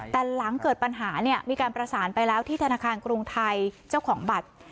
แต่หลังเกิดปัญหาเนี่ยมีการประสานไปแล้วที่ธนาคารกรุงไทยเจ้าของบัตร